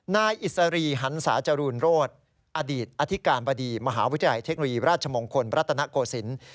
นายอิสรีหันศาจรูนโรธอดีตอธิการบดีมหาวิทยาลัยเทคโนโลยีราชมงคลรัตนโกศิลป์